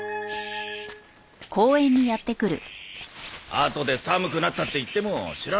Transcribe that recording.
あとで寒くなったって言っても知らねえからな。